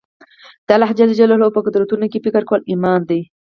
د الله جل جلاله په قدرتونو کښي فکر کول ایمان دئ.